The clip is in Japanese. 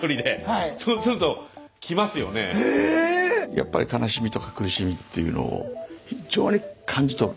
やっぱり悲しみとか苦しみっていうのを非常に感じ取る。